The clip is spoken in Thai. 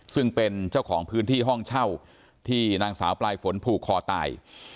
ซึ่งเป็นเจ้าของพื้นที่ห้องเช่าที่นางสาวปลายฝนผูกคอตาย